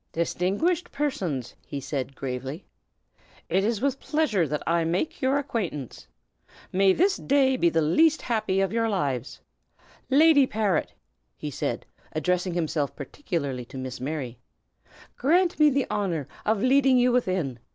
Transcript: "Distinguished persons!" he said, gravely, "it is with pleasure that I make your acquaintance. May this day be the least happy of your lives! Lady Parrot," he added, addressing himself particularly to Miss Mary, "grant me the honor of leading you within.